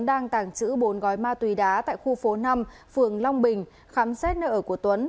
đang tàng trữ bốn gói ma túy đá tại khu phố năm phường long bình khám xét nợ của tuấn